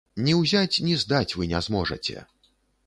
Ні ўзяць, ні здаць вы не зможаце.